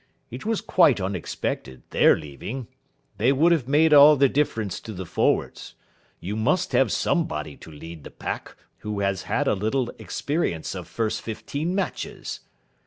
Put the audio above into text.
It was quite unexpected, their leaving. They would have made all the difference to the forwards. You must have somebody to lead the pack who has had a little experience of first fifteen matches."